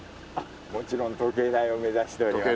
もちろん時計台を目指しております。